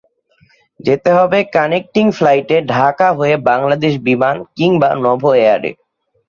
যেতে হবে কানেকটিং ফ্লাইটে ঢাকা হয়ে বাংলাদেশ বিমান কিংবা নোভো এয়ারে।